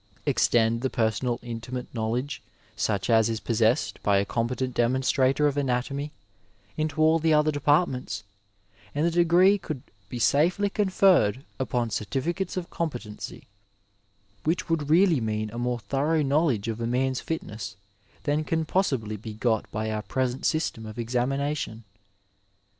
Extend the personal intimate know ledge such as is possessed by a competent demonstrator of anatomy into all the other departments, and the degree could be safely conferred upon certificates of competency, which would really mean a more thorough knowledge of a man's fitness than can possibly be got by our present sys tem of examination.